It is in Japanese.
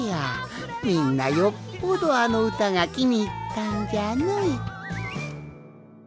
みんなよっぽどあのうたがきにいったんじゃの。